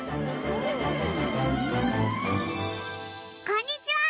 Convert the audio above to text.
こんにちは！